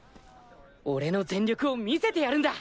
俺の全力を見せてやるんだ。